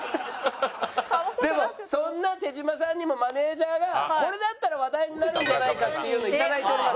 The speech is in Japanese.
でもそんな手島さんにもマネージャーがこれだったら話題になるんじゃないかっていうのを頂いております。